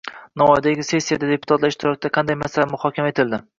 Navoiydagi sessiyada deputatlar ishtirokida qanday masalalar muhokama etildi?